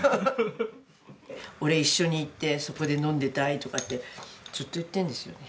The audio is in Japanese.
「俺一緒に行ってそこで飲んでたい」とかってずっと言ってるんですよね。